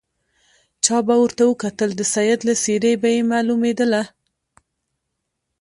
چا به ورته وکتل د سید له څېرې به یې معلومېدله.